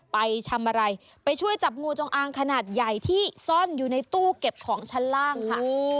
ไปทำอะไรไปช่วยจับงูจงอางขนาดใหญ่ที่ซ่อนอยู่ในตู้เก็บของชั้นล่างค่ะ